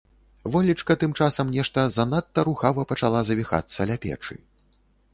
Волечка тым часам нешта занадта рухава пачала завіхацца ля печы.